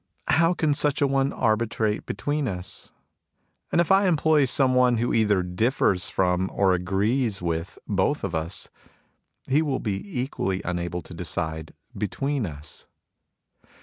How can such a one arbitrate between us ? And if I employ some one who either differs from or agrees with both of us, he will be equally unable to decide between us.